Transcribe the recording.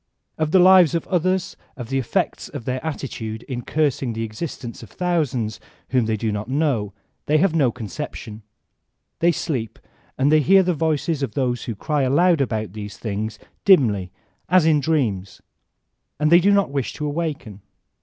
Of the lives of others, of the effects of their attitude in cursing the existences of thousands whom they do not know, they have no conception; they sleep; and they hear the voices of those who cry aloud about these things, dimly, as in dreams ; and they do not wish to awaken.